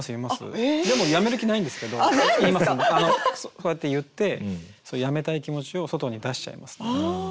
こうやって言ってやめたい気持ちを外に出しちゃいますね。